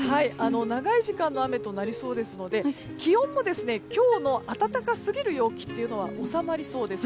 長い時間の雨となりそうなので気温も今日の暖かすぎる陽気というのは収まりそうです。